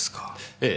ええ。